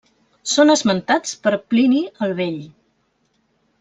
Són esmentats per Plini el vell.